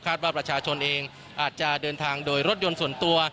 ว่าประชาชนเองอาจจะเดินทางโดยรถยนต์ส่วนตัว